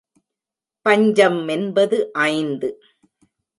பஞ்சம் என்பது ஐந்து.